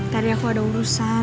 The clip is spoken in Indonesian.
tadi aku ada urusan